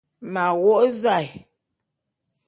M'a wô'ô zae.